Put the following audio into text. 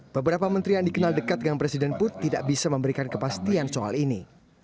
beberapa menteri yang dikenal dekat dengan presiden pun tidak bisa memberikan kepastian soal ini